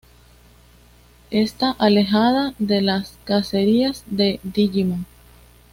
Esta alejada de las cacerías de digimon.